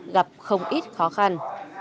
gặp không ít khó khăn